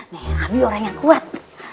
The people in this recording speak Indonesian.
nih abie orang yang kuat